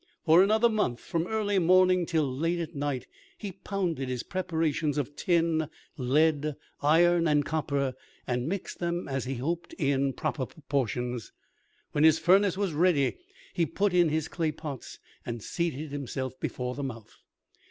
For another month, from early morning till late at night, he pounded his preparations of tin, lead, iron, and copper, and mixed them, as he hoped, in proper proportions. When his furnace was ready, he put in his clay pots, and seated himself before the mouth.